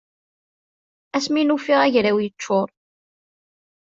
Ass mi n-ufiɣ agraw yeččur.